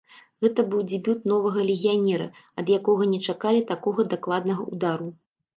Гэта быў дэбют новага легіянера, ад якога не чакалі такога дакладнага ўдару.